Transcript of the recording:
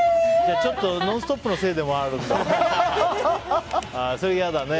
じゃあちょっと「ノンストップ！」のせいでもあるんだ。